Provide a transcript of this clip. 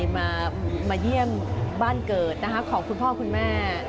มาเยี่ยมบ้านเกิดของคุณพ่อคุณแม่